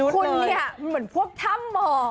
คุณเนี่ยเหมือนพวกถ้ำหมอ